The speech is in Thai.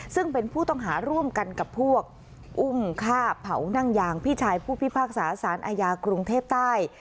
ซึ่งเป็นผู้ต้องหาร่วมกันกับพวกอุ้มฆ่าเผานั่งยางพี่ชายผู้พิพากษาสารอาญากรุงเทพใต้